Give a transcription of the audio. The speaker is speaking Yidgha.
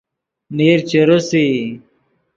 میر چے ریسئی